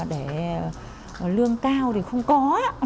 để lương cao thì không có